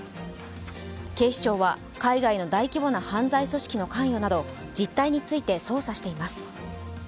警視庁は海外の大規模な犯罪組織の関与など実態について捜査しています。